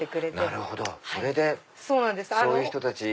それでそういう人たち。